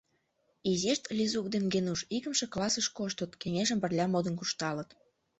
Изишт, Лизук ден Генуш, икымше классыш коштыт, кеҥежым пырля модын куржталыт.